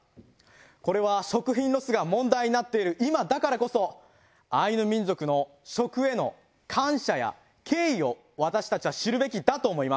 これは食品ロスが問題になっている今だからこそアイヌ民族の食への感謝や敬意を私たちは知るべきだと思います。